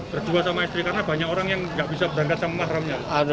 berdua sama istri karena banyak orang yang nggak bisa berangkat sama mahramnya